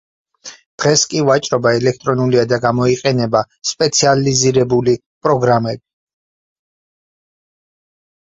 დღეს კი ვაჭრობა ელექტრონულია და გამოიყენება სპეციალიზირებული პროგრამები.